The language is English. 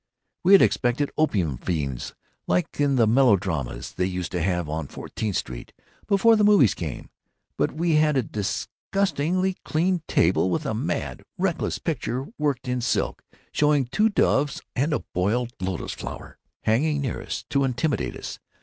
"We had expected opium fiends, like the melodramas they used to have on Fourteenth Street, before the movies came. But we had a disgustingly clean table, with a mad, reckless picture worked in silk, showing two doves and a boiled lotos flower, hanging near us, to intimidate us.